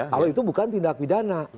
kalau itu bukan tindak pidana